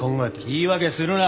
言い訳するな。